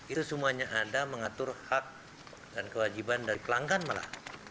itu semuanya ada mengatur hak dan kewajiban dari pelanggan malah